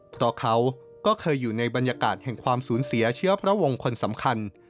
เพราะเขาก็เคยอยู่ในบรรยากาศแห่งความสูญเสียเชื้อพระวงศ์คนสำคัญ